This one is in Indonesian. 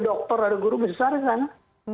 dokter ada guru besar di sana